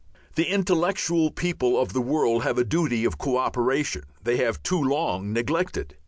The intellectual people of the world have a duty of co operation they have too long neglected.